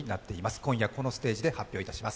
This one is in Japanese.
今夜このステージで発表いたします。